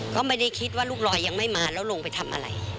ก็ไม่ได้คิดว่าลูกลอยยังไม่มาแล้วลงไปทำอะไร